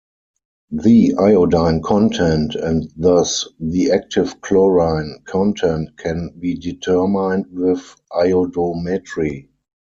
The iodine content and thus the active chlorine content can be determined with iodometry.